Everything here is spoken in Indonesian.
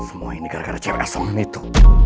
semua ini gara gara cewek asongan itu